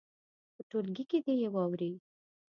په ټولګي کې دې یې واوروي.